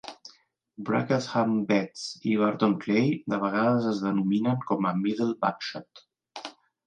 Bracklesham Beds i Barton Clay de vegades es denominen com a Middle Bagshot.